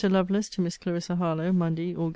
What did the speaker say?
LOVELACE TO MISS CLARISSA HARLOWE MONDAY, AUG.